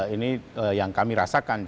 ini yang kami rasakan